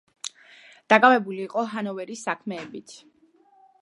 დაკავებული იყო ჰანოვერის საქმეებით.